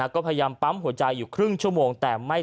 ก็พยายามปั๊มหัวใจอยู่ครึ่งชั่วโมงแต่ไม่